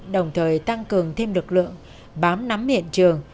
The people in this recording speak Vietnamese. đồng thời tăng cường thêm lực lượng bám nắm miệng trường